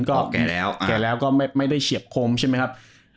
แก่แล้วก็ไม่ได้เฉียบคมใช่ไหมครับ